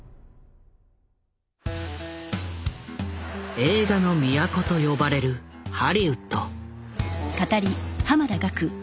映画の都と呼ばれるハリウッド。